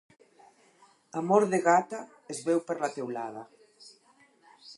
Amor de gata, es veu per la teulada.